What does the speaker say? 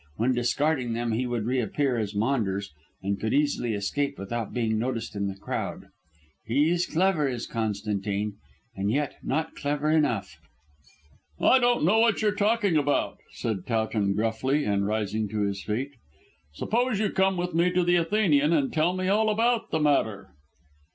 When discarding them he would reappear as Maunders, and could easily escape without being noticed in the crowd. He's clever, is Constantine, and yet not clever enough." "I don't know what you're talking about," said Towton gruffly and rising to his feet. "Suppose you come with me to the Athenian and tell me all about the matter."